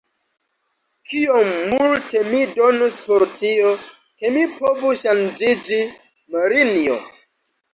Kiom multe mi donus por tio, ke mi povu ŝanĝiĝi, Marinjo!